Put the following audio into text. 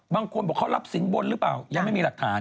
บางคนบอกเขารับสินบนหรือเปล่ายังไม่มีหลักฐาน